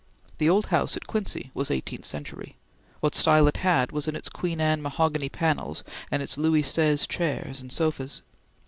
The old house at Quincy was eighteenth century. What style it had was in its Queen Anne mahogany panels and its Louis Seize chairs and sofas.